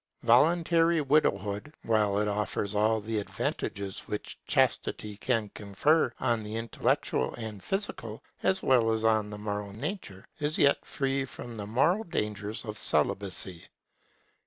Voluntary widowhood, while it offers all the advantages which chastity can confer on the intellectual and physical as well as on the moral nature, is yet free from the moral dangers of celibacy.